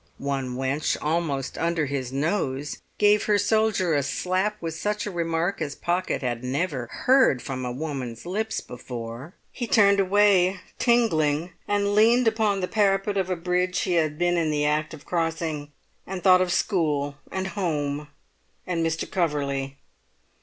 One wench, almost under his nose, gave her soldier a slap with such a remark as Pocket had never heard from a woman's lips before. He turned away, tingling, and leant upon the parapet of a bridge he had been in the act of crossing, and thought of school and home and Mr. Coverley.